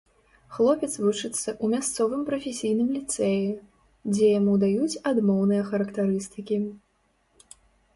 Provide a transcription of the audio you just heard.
Хлопец вучыцца ў мясцовым прафесійным ліцэі, дзе яму даюць адмоўныя характарыстыкі.